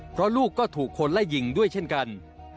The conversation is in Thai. เพราะลูกก็ถูกคนไล่ยิงด้วยเช่นกัน